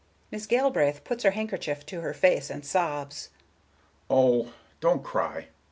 Miss Galbraith puts her handkerchief to her face, and sobs. "Oh, don't cry!